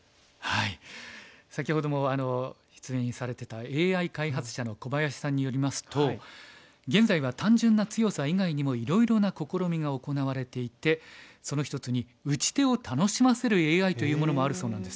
先ほども出演されてたＡＩ開発者の小林さんによりますと現在は単純な強さ以外にもいろいろな試みが行われていてその一つに打ち手を楽しませるＡＩというものもあるそうなんです。